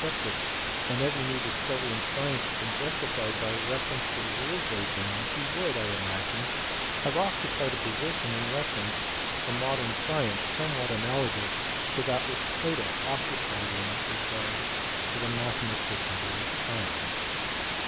45 cepted and every new discovery in science had been justified by a reference to the rules there laid down, he would, I imagine, have occupied a position in reference to modern science somewhat analogous to that which Plato occupied in regard to the mathematics of his time.